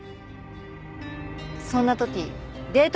そんな時デート